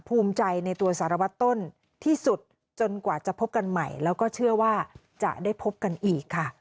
ภูมิใจในตัวสารวัตรต้นที่สุดจนกว่าจะพบกันใหม่แล้วก็เชื่อว่าจะได้พบกันอีกค่ะ